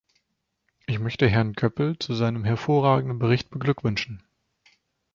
Ich möchte Herrn Goepel zu seinem hervorragenden Bericht beglückwünschen.